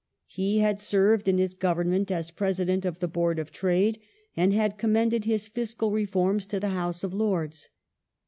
He had served, in his Government, as President of the Board of Trade, and had com mended his fiscal reforms to the House of Lords.